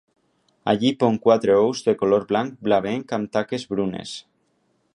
Allí pon quatre ous de color blanc blavenc amb taques brunes.